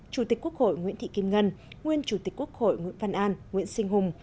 chủ tịch quốc hội nguyễn thị kim ngân nguyên chủ tịch quốc hội nguyễn văn an nguyễn sinh hùng